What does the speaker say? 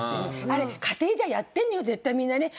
あれ家庭じゃやってるのよ絶対みんなね。